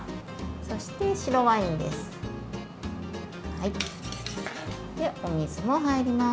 そして白ワインです。